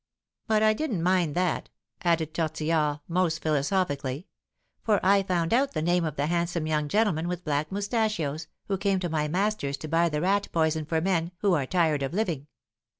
But I didn't mind that," added Tortillard most philosophically, "for I found out the name of the handsome young gentleman with black moustachios, who came to my master's to buy the 'rat poison for men' who are tired of living.